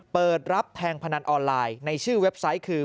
เปิดรับแทงพนันออนไลน์ในชื่อเว็บไซต์คือ